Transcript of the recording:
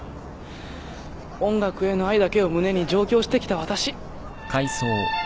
音楽への愛だけを胸に上京してきたわたし。